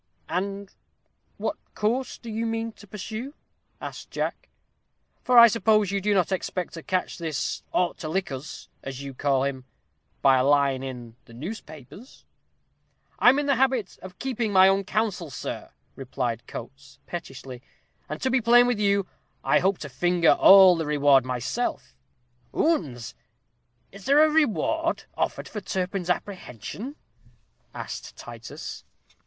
"And what course do you mean to pursue?" asked Jack, "for I suppose you do not expect to catch this 'ought to lick us,' as you call him, by a line in the newspapers." "I am in the habit of keeping my own counsel, sir," replied Coates, pettishly; "and to be plain with you, I hope to finger all the reward myself." "Oons, is there a reward offered for Turpin's apprehension?" asked Titus.